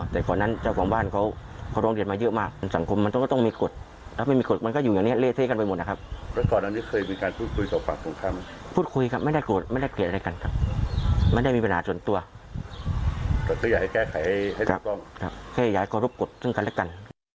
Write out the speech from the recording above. แต่ก็อย่าให้แก้ไขให้ลูกล้องครับครับแค่อยากรบกฎซึ่งกันแล้วกัน